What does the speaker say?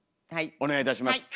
お願いいたします。